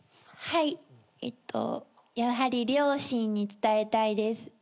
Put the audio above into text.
はいえっとやはり両親に伝えたいです。